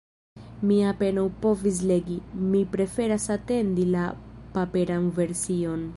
Mi apenaŭ povis legi, mi preferas atendi la paperan version.